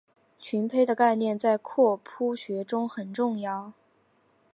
群胚的概念在拓扑学中很重要。